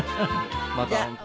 また本当に。